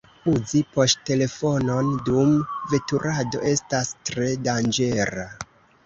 Uzi poŝtelefonon dum veturado estas tre danĝera.